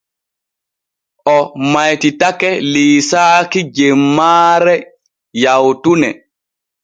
O maytitake liisaaki jemmaare yawtune.